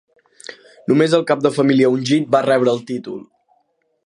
Només el cap de família ungit va rebre el títol.